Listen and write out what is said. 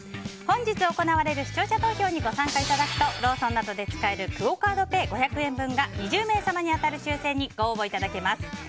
本日行われる視聴者投票にご参加いただくとローソンなどで使えるクオ・カードペイ５００円分が２０名様に当たる抽選にご応募いただけます。